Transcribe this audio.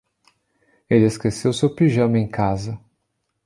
Ele esqueceu seu pijama em casa.